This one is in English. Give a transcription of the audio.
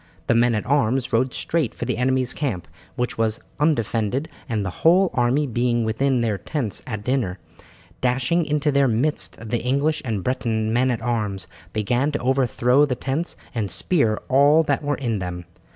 The men at arms rode straight for the enemy's camp, which was undefended, the whole army being within their tents at dinner. Dashing into their midst the English and Breton men at arms began to overthrow the tents and spear all that were in them.